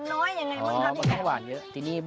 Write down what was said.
นี่จะเป็นไถหมักอะไรครับ